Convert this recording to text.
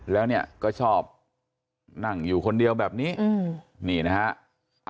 แล้วเนี่ยก็ชอบนั่งอยู่คนเดียวแบบนี้นี่นะฮะ